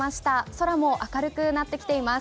空も明るくなってきています。